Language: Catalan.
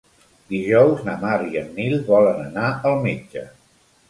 Dijous na Mar i en Nil volen anar al metge.